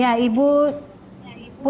apakah kalian bukannya teman lu